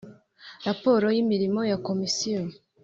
raporo y imirimo ya Komisiyo